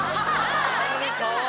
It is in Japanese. かわいい。